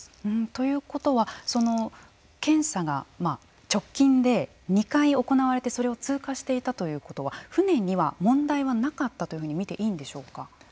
ということは検査が直近で２回行われてそれを通過していたということは船には問題はなかったというふうに見ていいんでしょうか。